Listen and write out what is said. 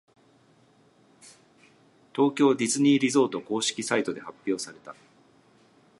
東京ディズニーリゾート公式サイトで発表された。